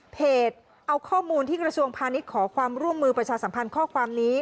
เพจเอาข้อมูลที่กระทรวงพาณิชย์ขอความร่วมมือประชาสัมพันธ์ข้อความนี้